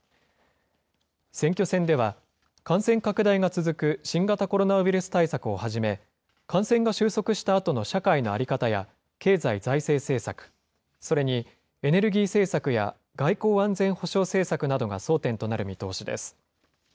選挙戦では、感染拡大が続く新型コロナウイルス対策をはじめ、感染が収束したあとの社会の在り方や、経済・財政政策、それにエネルギー政策や、外交・安全保障政策などが争点となる見通しです。